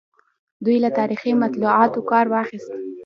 دوی له تاریخي مطالعاتو کار واخیست.